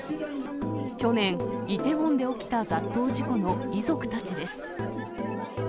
去年、イテウォンで起きた雑踏事故の遺族たちです。